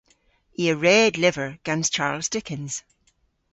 I a red lyver gans Charles Dickens.